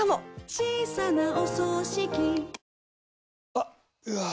あっ、うわー。